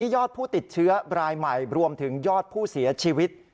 ยอดผู้ติดเชื้อรายใหม่รวมถึงยอดผู้เสียชีวิต